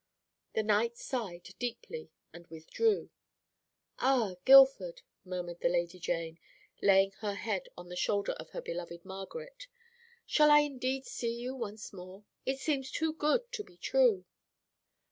"The knight sighed deeply, and withdrew. "'Ah, Guildford,' murmured the Lady Jane, laying her head on the shoulder of her beloved Margaret, 'shall I indeed see you once more? It seems too good to be true.'"